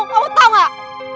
kamu tahu nggak